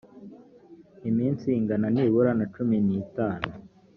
iminsi ingana nibura na cumi n itanu